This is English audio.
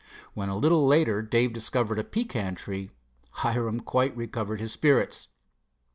When, a little later, Dave discovered a pecan tree, Hiram quite recovered his spirits.